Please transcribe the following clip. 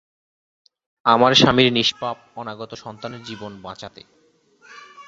আমার স্বামীর নিষ্পাপ অনাগত সন্তানের জীবন বাচাঁতে।